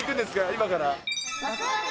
今から。